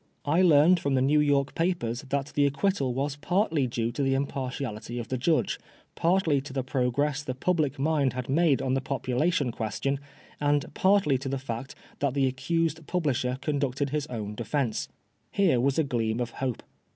I learned from the New York papers that the acquittal was partly due to the impartiality of the judge, partly to the progress the public mind had made on the population question, and partly to the fact that the accused publisher conducted his own defence. Here was a gleam of hope.